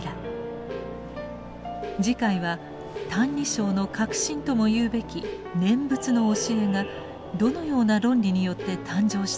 次回は「歎異抄」の核心とも言うべき念仏の教えがどのような論理によって誕生したのか